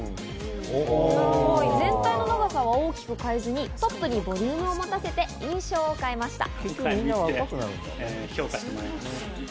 全体の長さは大きく変えずにトップにボリュームを持たせて印象を変えました。